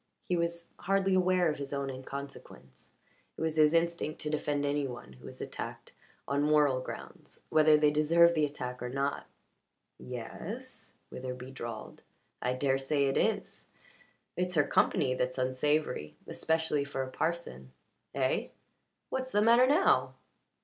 He was hardly aware of his own inconsequence. It was his instinct to defend any one who was attacked on moral grounds, whether they deserved the attack or not. "Ye es," Witherbee drawled. "I dare say it is. It's her company that's unsavoury. Especially for a parson. Eh? What's the matter now?"